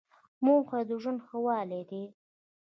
موخه یې د ژوند ښه والی دی.